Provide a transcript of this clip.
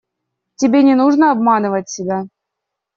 Тебе не нужно обманывать себя.